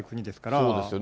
そうですよね。